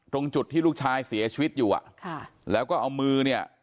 ตรงจุดที่ลูกชายเสียชีวิตอยู่อ่ะค่ะแล้วก็เอามือเนี่ย